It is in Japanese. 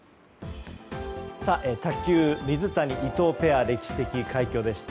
卓球水谷、伊藤ペア歴史的快挙でした。